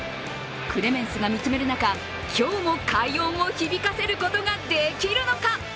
クレメンスが見つめる中、今日も快音を響かせることができるのか？